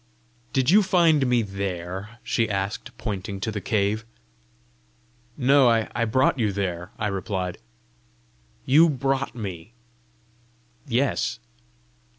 "Did you find me there?" she asked, pointing to the cave. "No; I brought you there," I replied. "You brought me?" "Yes."